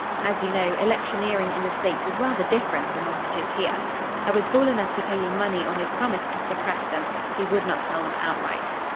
As you know, electioneering in the States is rather different from what it is here. I was fool enough to pay him money on his promise to suppress them. He would not sell them outright.